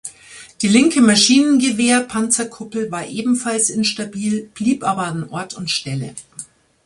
Die linke Maschinengewehr-Panzerkuppel war ebenfalls instabil, blieb aber an Ort und Stelle.